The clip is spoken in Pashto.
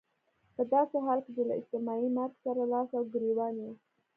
په داسې حال کې چې له اجتماعي مرګ سره لاس او ګرېوان يو.